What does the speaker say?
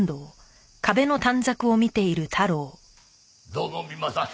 どうも三馬さん。